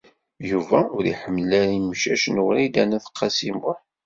Yuba ur iḥemmel ara imcac n Wrida n At Qasi Muḥ.